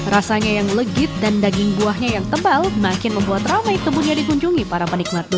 rasanya yang legit dan daging buahnya yang tebal makin membuat ramai kebunnya dikunjungi para penikmat